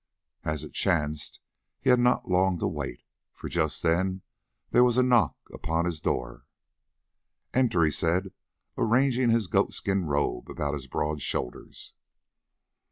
As it chanced he had not long to wait, for just then there was a knock upon his door. "Enter," he said, arranging his goat skin robe about his broad shoulders.